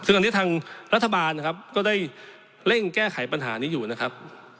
ซึ่งตอนนี้ทางรัฐบาลนะครับก็ได้เร่งแก้ไขปัญหานี้อยู่นะครับ